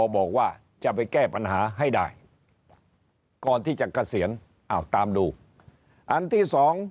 บอกว่าจะไปแก้ปัญหาให้ได้ก่อนที่จะกระเสียรเอาตามดูอันที่๒